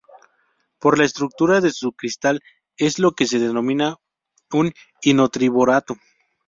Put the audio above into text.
Por la estructura de su cristal es lo que se denomina un ino-triborato.